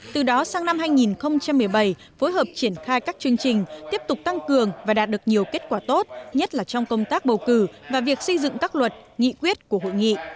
từ đó sang năm hai nghìn một mươi bảy phối hợp triển khai các chương trình tiếp tục tăng cường và đạt được nhiều kết quả tốt nhất là trong công tác bầu cử và việc xây dựng các luật nghị quyết của hội nghị